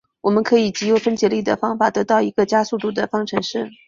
我们可以藉由分解力的方法得到一个加速度的方程式。